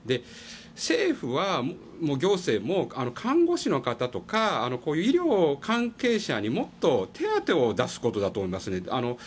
政府や行政は看護師の方とか医療関係者にもっと手当を出すことだと思いますね。